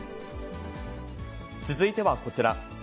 続いてはこちら。